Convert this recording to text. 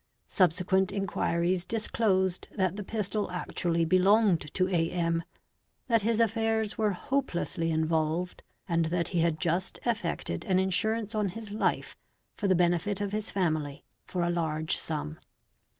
Subsequent inquiries disclosed that the pistol actually belonged to A. M., that his affairs were hopelessly involved, and that he had just effected an insurance on his life for the benefit of his family for a large sum.